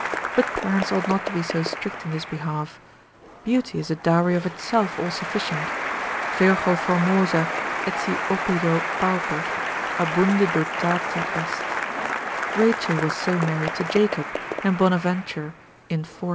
But parents ought not to be so strict in this behalf, beauty is a dowry of itself all sufficient, Virgo formosa, etsi oppido pauper, abunde dotata est, Rachel was so married to Jacob, and Bonaventure, in 4.